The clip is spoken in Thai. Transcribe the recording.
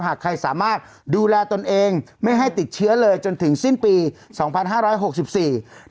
หากใครสามารถดูแลตนเองไม่ให้ติดเชื้อเลยจนถึงสิ้นปี๒๕๖๔บาท